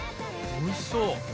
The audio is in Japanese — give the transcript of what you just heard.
おいしそう！